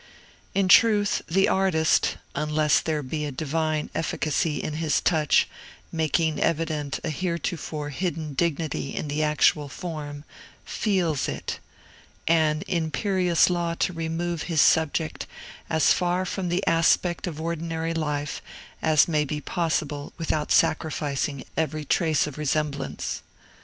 In truth, the artist (unless there be a divine efficacy in his touch, making evident a heretofore hidden dignity in the actual form) feels it an imperious law to remove his subject as far from the aspect of ordinary life as may be possible without sacrificing every trace of resemblance.